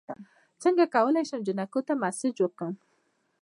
څنګه کولی شم جینکو ته میسج ورکړم